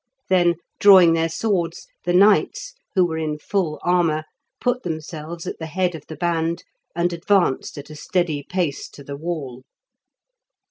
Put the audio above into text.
Then drawing their swords, the knights, who were in full armour, put themselves at the head of the band, and advanced at a steady pace to the wall.